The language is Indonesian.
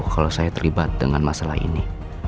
kalau saya terlibat dengan masalah ini